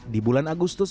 di bulan agustus